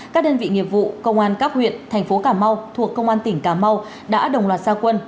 các đơn vị nghiệp vụ công an các huyện thành phố cà mau thuộc công an tỉnh cà mau đã đồng loạt gia quân